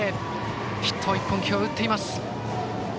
ヒットを１本今日は打っています。